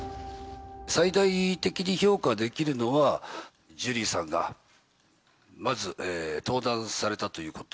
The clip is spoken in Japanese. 最大的に評価できるのは、ジュリーさんがまず登壇されたということ。